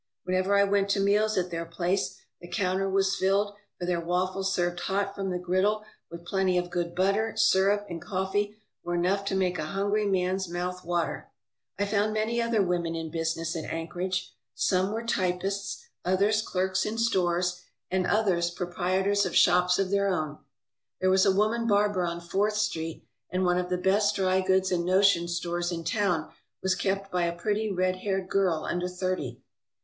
Whenever I went to meals at their place the counter was filled, for their waffles served hot from the griddle with plenty of good butter, syrup, and coffee were enough to make a hungry man's mouth water. I found many other women in business at Anchorage. Some were typists, others clerks in stores, and others 307 ALASKA OUR NORTHERN WONDERLAND proprietors of shops of their own. There was a woman barber on Fourth Street and one of the best dry goods and notions stores in town was kept by a pretty red haired girl under thirty.